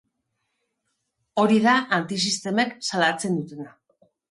Hori da antisistemek salatzen dutena.